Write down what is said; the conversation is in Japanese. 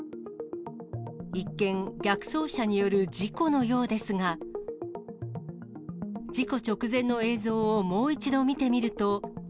一見、逆走車による事故のようですが、事故直前の映像をもう一度見てみると。